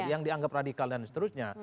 yang dianggap radikal dan seterusnya